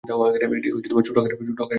এটি ছোট আকারের ঘাস বিশিষ্ট।